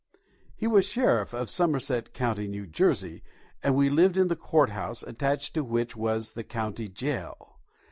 He was Sheriff of Somerset County, N.J., and we lived in the court house, attached to which was the County Jail.